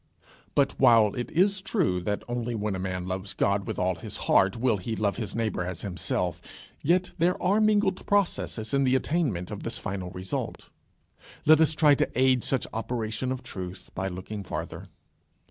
But while it is true that only when a man loves God with all his heart, will he love his neighbour as himself, yet there are mingled processes in the attainment of this final result. Let us try to aid such operation of truth by looking farther.